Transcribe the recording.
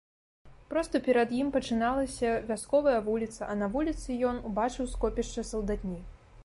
Проста перад ім пачыналася вясковая вуліца, а на вуліцы ён убачыў скопішча салдатні.